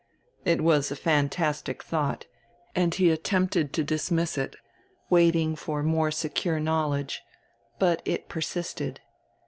It was a fantastic thought, and he attempted to dismiss it, waiting for more secure knowledge, but it persisted.